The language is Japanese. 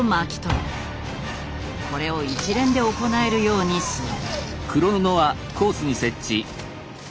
これを一連で行えるようにする。